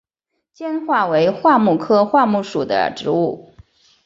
坚桦为桦木科桦木属的植物。